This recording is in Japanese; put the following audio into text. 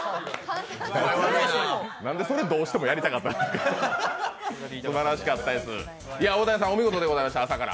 何でそれ、どうしてもやりたかったんですか？